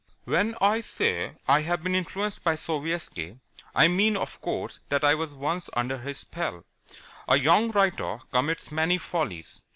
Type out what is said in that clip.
"When I say I have been influenced by Sovietski, I mean, of course, that I was once under his spell. A young writer commits many follies.